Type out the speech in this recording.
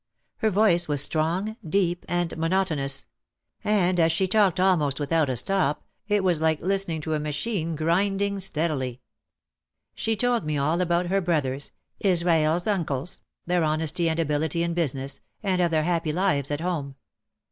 Her voice was strong, deep and monotonous; and as she talked almost without a stop it was like listening to a machine grinding 218 OUT OF THE SHADOW steadily. She told me all about her brothers, Israel's uncles, their honesty and ability in business, and of their happy lives at home.